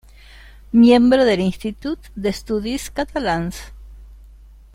Miembro del Institut d'Estudis Catalans.